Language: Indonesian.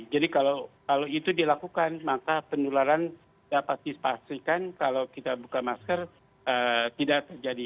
jadi kalau itu dilakukan maka penularan dapat dipastikan kalau kita buka masker tidak terjadi